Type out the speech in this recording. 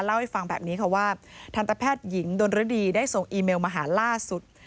เล่าให้ฟังแบบนี้ค่ะว่าทันตแพทย์หญิงดนรดีได้ส่งอีเมลมาหาล่าสุด